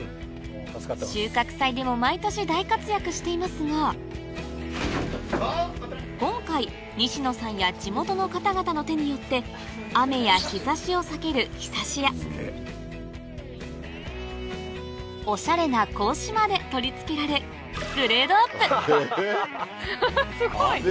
収穫祭でも毎年大活躍していますが今回西野さんや地元の方々の手によって雨や日差しを避けるオシャレな格子まで取り付けられえ！